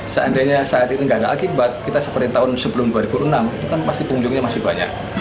seandainya saat ini tidak ada akibat kita seperti tahun sebelum dua ribu enam itu kan pasti pengunjungnya masih banyak